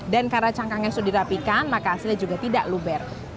dan karena cangkangnya sudah dirapikan maka hasilnya juga tidak luber